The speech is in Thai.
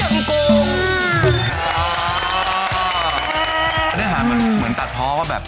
อันนี้หากเหมือนตัดพ้อว่าแบบ